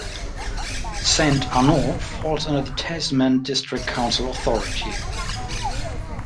Saint Arnaud falls under the Tasman District Council authority.